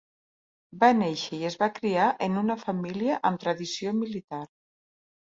Va néixer i es va criar en una família amb tradició militar.